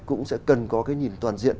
cũng sẽ cần có cái nhìn toàn diện